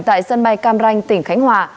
tại sân bay cam ranh tỉnh khánh hòa